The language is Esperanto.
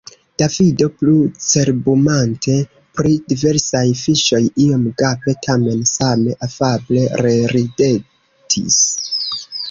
Davido, plu cerbumante pri diversaj fiŝoj, iom gape tamen same afable reridetis.